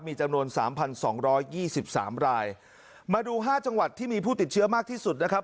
มีจำนวน๓๒๒๓รายมาดู๕จังหวัดที่มีผู้ติดเชื้อมากที่สุดนะครับ